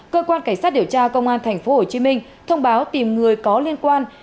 cơ quan cảnh sát điều tra công an tp hcm thông báo tìm người có liên quan